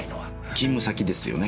勤務先ですよね？